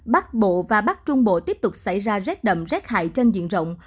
bắc bộ và bắc trung bộ tiếp tục xảy ra rác đậm rác hại trên diện rộng